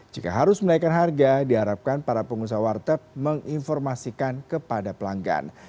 jika harus menaikkan harga diharapkan para pengusaha warteg menginformasikan kepada pelanggan